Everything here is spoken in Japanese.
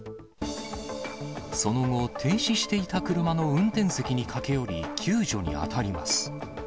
その後、停止していた車の運転席に駆け寄り、救助に当たります。